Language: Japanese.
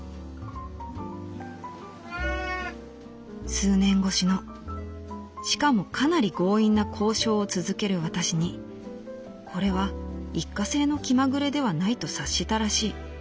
「数年越しのしかもかなり強引な交渉を続ける私にこれは一過性の気まぐれではないと察したらしい。